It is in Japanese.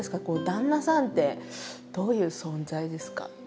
旦那さんってどういう存在ですか？